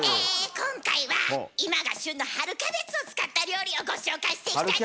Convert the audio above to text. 今回は今が旬の春キャベツを使った料理をご紹介していきたいと思います。